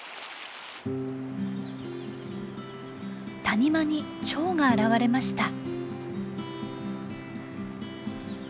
谷間にチョウが現れました。